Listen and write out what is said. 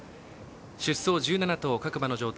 出走１７頭、各馬の状態